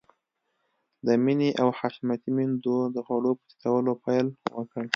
د مينې او حشمتي ميندو د خوړو په تيتولو پيل وکړ.